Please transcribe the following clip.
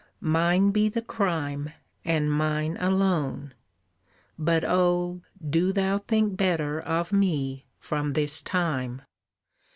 Mine be the crime, And mine alone, but oh, do thou Think better of me from this time.